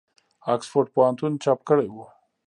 آکسفورډ پوهنتون چاپ کړی وو.